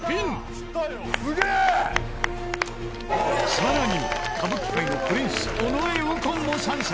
さらに歌舞伎界のプリンス尾上右近も参戦！